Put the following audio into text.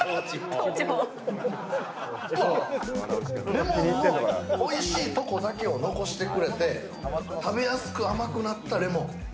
レモンのおいしいところだけを残してくれて食べやすく甘くなったレモン。